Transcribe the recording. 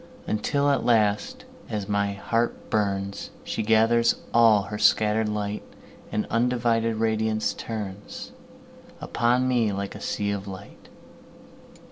Until at last, as my heart burns, She gathers all her scatter'd light, And undivided radiance turnsUpon me like a sea of light.